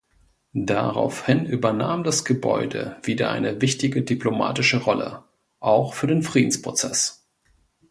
Daraufhin übernahm das Gebäude wieder eine wichtige diplomatische Rolle, auch für den Friedensprozess.